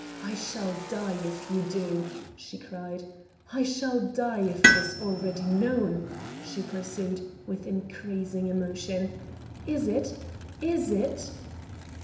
I shall die if you do," she cried. "I shall die if it is already known," she pursued, with increasing emotion. "Is it? Is it?"